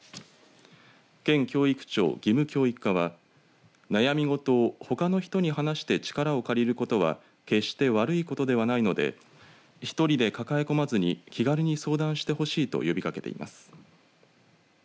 県教育庁義務教育課は悩み事をほかの人に話して力を借りることは決して悪いことではないのでひとりで抱え込まずに気軽に相談してほしいと呼びかけています。